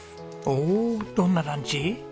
おどんなランチ？